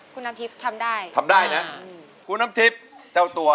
คิดว่าคุณน้ำทิพย์ทำได้